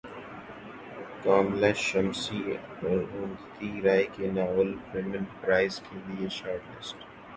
کاملہ شمسی اروندھتی رائے کے novel women prize کیلئے short list